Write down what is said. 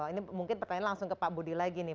ini mungkin pertanyaan langsung ke pak budi lagi nih